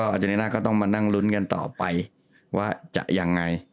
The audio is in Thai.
อาทิตย์หน้าก็ต้องมานั่งลุ้นกันต่อไปว่าจะยังไง